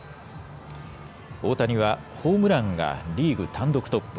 大谷はホームランがリーグ単独トップ。